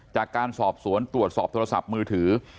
จากการสอบสวนตรวจสอบโทรศัพท์มือถือ